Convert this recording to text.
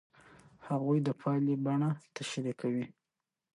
هغوی د پایلې بڼه تشریح کوي.